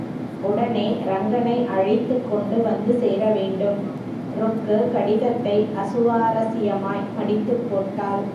உடனே ரங்கனை அழைத்துக் கொண்டு வந்து சேரவேண்டும். ருக்கு கடிதத்தை அசுவாரசியமாய் மடித்துப் போட்டாள்.